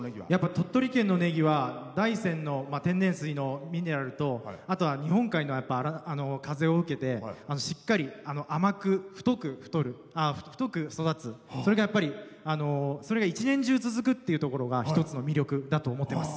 鳥取県のネギは大山の天然水のミネラルと、あとは日本海の風を受けてしっかり甘く太く育つそれが一年中続くというところが一つの魅力だと思ってます。